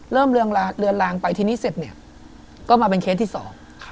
เรือนลางไปทีนี้เสร็จเนี่ยก็มาเป็นเคสที่สอง